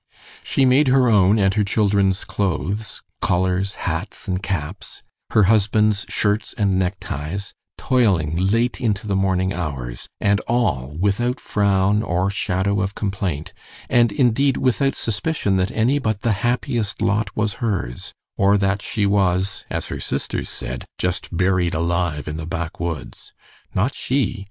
She made her own and her children's clothes, collars, hats, and caps, her husband's shirts and neckties, toiling late into the morning hours, and all without frown or shadow of complaint, and indeed without suspicion that any but the happiest lot was hers, or that she was, as her sisters said, "just buried alive in the backwoods." Not she!